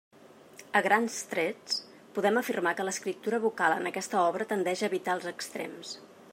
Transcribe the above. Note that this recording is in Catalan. A grans trets, podem afirmar que l'escriptura vocal en aquesta obra tendeix a evitar els extrems.